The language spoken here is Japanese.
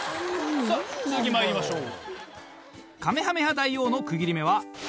さぁ続きまいりましょう。